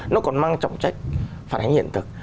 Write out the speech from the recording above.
nó còn mang trọng trách phản ánh hiện thực